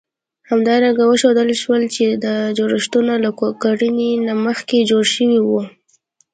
همدارنګه وښودل شول، چې دا جوړښتونه له کرنې نه مخکې جوړ شوي وو.